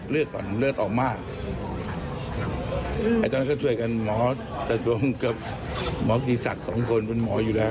ก่อนเลือดออกมากตอนนั้นก็ช่วยกันหมอตะดงกับหมอกิศักดิ์สองคนเป็นหมออยู่แล้ว